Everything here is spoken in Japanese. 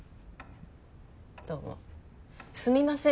どうもすみません